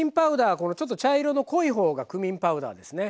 このちょっと茶色の濃い方がクミンパウダーですね。